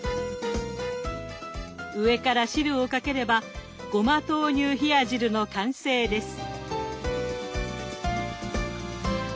上から汁をかければごま豆乳冷や汁の完成です。